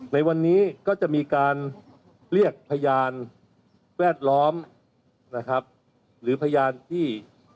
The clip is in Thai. ในวันนี้ก็จะมีการเรียกพยานแวดล้อมนะครับหรือพยานที่